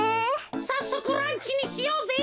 さっそくランチにしようぜ！